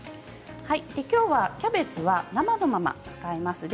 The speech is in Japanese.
きょうはキャベツは生のまま使います。